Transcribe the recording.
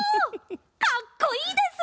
かっこいいです！